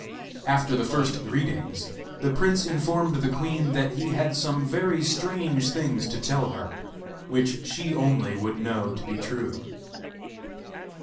After the first greetings the prince informed the queen that he had some very strange things to tell her, which she only would know to be true.